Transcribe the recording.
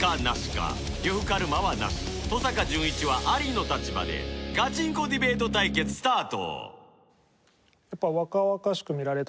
呂布カルマはナシ登坂淳一はアリの立場でガチンコディベート対決スタート！